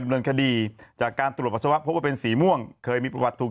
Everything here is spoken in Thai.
เนินคดีจากการตรวจปัสสาวะพบว่าเป็นสีม่วงเคยมีประวัติถูก